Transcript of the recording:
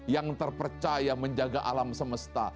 yang terpercaya menjaga alam semesta